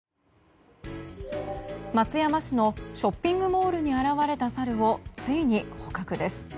松山市のショッピングモールに現れたサルをついに捕獲です。